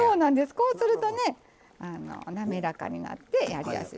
こうするとね滑らかになってやりやすい。